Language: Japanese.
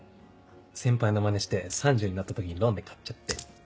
先輩のまねして３０になった時にローンで買っちゃって。